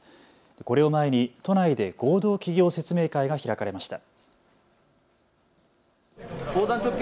これを前に都内で合同企業説明会が開かれました。